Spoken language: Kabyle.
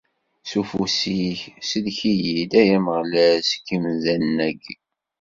S ufus-ik, sellek-iyi-d, ay Ameɣlal, seg yimdanen-agi.